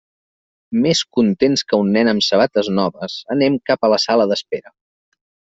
Més contents que un nen amb sabates noves, anem cap a la sala d'espera.